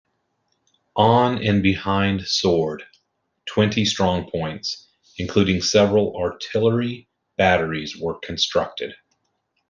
On and behind Sword, twenty strongpoints, including several artillery batteries, were constructed.